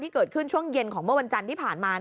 เกิดขึ้นช่วงเย็นของเมื่อวันจันทร์ที่ผ่านมา